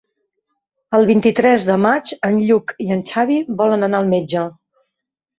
El vint-i-tres de maig en Lluc i en Xavi volen anar al metge.